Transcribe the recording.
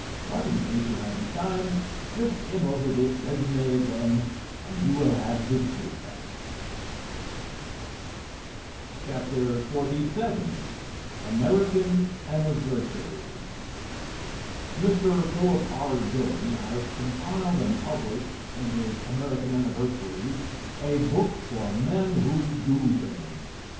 But in case you haven't time, just skim over this résumé again and you will have the gist of it. XLVII "AMERICAN ANNIVERSARIES" Mr. Phillip R. Dillon has compiled and published in his "American Anniversaries" a book for men who do things.